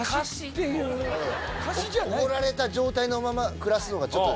おごられた状態のまま暮らすのがちょっと。